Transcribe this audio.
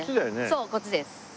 そうこっちです。